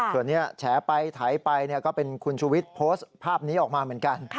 ส่วนนี้แฉไปไถไปก็เป็นคุณชูวิทย์โพสต์ภาพนี้ออกมาเหมือนกัน